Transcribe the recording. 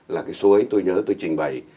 là cái số ấy tôi nhớ tôi trình bày